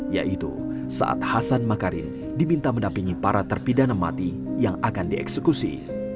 yaitu saat hasan makarim diminta menampingi para terpidana mati yang akan dieksekusi